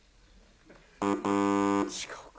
違うか。